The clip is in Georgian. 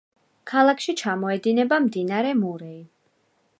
ქალაქში ჩამოედინება მდინარე მურეი.